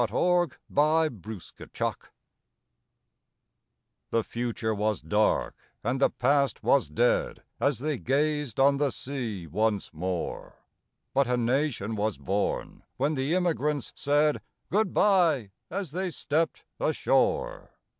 HOW THE LAND WAS WON The future was dark and the past was dead As they gazed on the sea once more But a nation was born when the immigrants said 'Good bye!' as they stepped ashore!